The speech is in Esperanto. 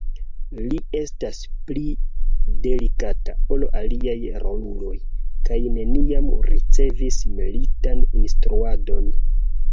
Li estas pli delikata ol aliaj roluloj, kaj neniam ricevis militan instruadon.